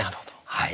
はい。